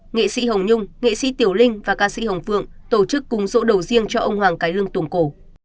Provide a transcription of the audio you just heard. nghệ sĩ hồng nhung nghệ sĩ tiểu linh và ca sĩ hồng phượng tổ chức cúng rỗ đầu riêng cho ông hoàng cái lương tổng cổ